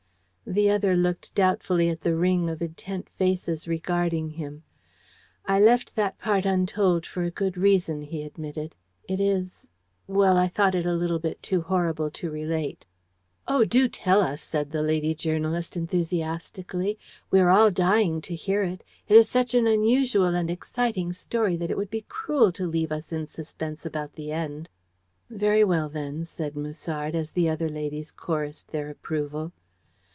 The other looked doubtfully at the ring of intent faces regarding him. "I left that part untold for a good reason," he admitted. "It is well, I thought it a little bit too horrible to relate." "Oh, do tell us," said the lady journalist enthusiastically. "We are all dying to hear it. It is such an unusual and exciting story that it would be cruel to leave us in suspense about the end." "Very well, then," said Musard, as the other ladies chorused their approval.